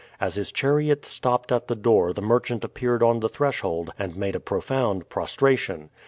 As his chariot stopped at the door the merchant appeared on the threshold and made a profound prostration.